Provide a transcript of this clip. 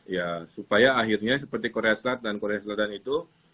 ya supaya akhirnya seperti korea selatan dan korea selatan itu